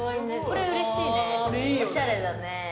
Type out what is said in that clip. これうれしいね、おしゃれだね。